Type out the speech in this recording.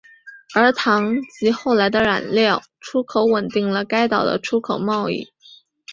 而糖及后来的染料出口稳定了该岛的出口贸易。